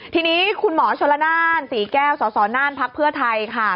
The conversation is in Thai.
ทีนี้คุณหมอชรนานสีแก้วสนพไทยค่ะ